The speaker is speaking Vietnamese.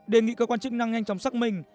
đề nghị các quán chức năng nhanh chóng sắc mình